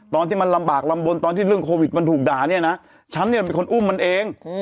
ตอนที่มันลำบากลำบลตอนที่เรื่องโควิดมันถูกด่าเนี่ยนะฉันเนี่ยเป็นคนอุ้มมันเอง